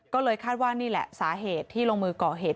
ก็เลยคาดว่านี่แหละสาเหตุที่ลงมือก่อเหตุ